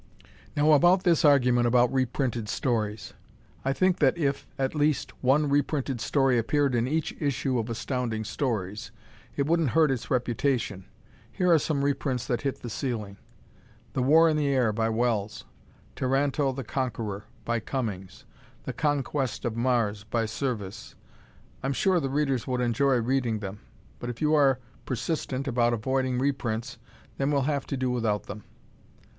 Now about this argument about reprinted stories. I think that if, at least, one reprinted story appeared in each issue of Astounding Stories, it wouldn't hurt its reputation. Here are some reprints that hit the ceiling: "The War in the Air," by Wells; "Tarranto, the Conqueror," by Cummings; "The Conquest of Mars," by Serviss. I'm sure the readers would enjoy reading them. But if you are persistent about avoiding reprints then we'll have to do without them.